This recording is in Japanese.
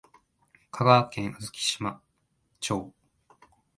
香川県小豆島町